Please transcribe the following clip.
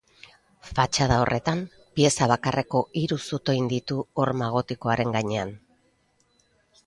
Fatxada horretan, pieza bakarreko hiru zutoin ditu horma gotikoaren gainean.